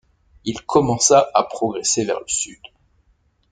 Il commença à progresser vers le sud.